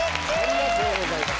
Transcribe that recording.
ありがとうございます。